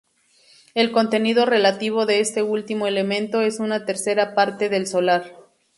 El contenido relativo de este último elemento es una tercera parte del solar.